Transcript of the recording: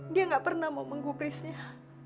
dia gak pernah mau menggubrisnya